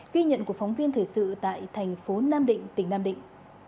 ghi nhận của phóng viên thời sự tại thành phố nam định tỉnh nam định